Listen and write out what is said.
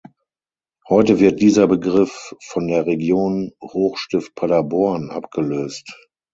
Heute wird dieser Begriff von der Region Hochstift Paderborn abgelöst.